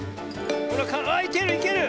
ほらあっいけるいける！